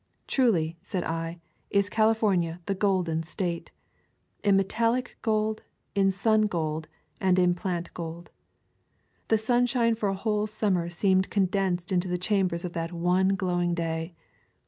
Truly, said I, is California the Golden State — in metallic gold, in sun gold, and in plant gold. The sunshine for a whole summer seemed condensed into the chambers of that one glowing day.